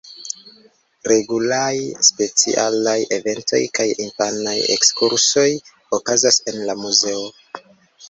Regulaj specialaj eventoj kaj infanaj ekskursoj okazas en la muzeo.